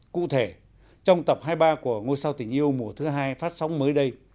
cụ thể trong tập hai mươi ba của ngôi sao tình yêu mùa thứ hai phát sóng mới đây